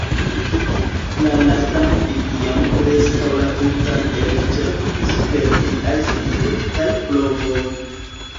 La lastan vi jam preskaŭ la tutan elĉerpis per viaj senfruktaj provoj.